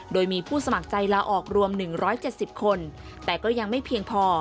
โดยมีผู้สมัครใจลาออกรวม๑๗๐คนแต่ก็ยังไม่เพียงพอ